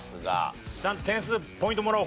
ちゃんと点数ポイントもらおう